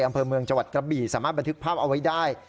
อำเภอเมืองจังหวัดกระบี่สามารถบันทึกภาพเอาไว้ได้